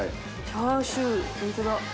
・チャーシューホントだ。